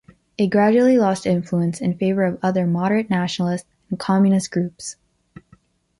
It gradually lost influence in favor of other moderate nationalist and communist groups.